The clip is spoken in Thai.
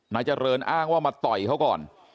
นายเจริญอ้างว่ามาต่อยเขาก่อน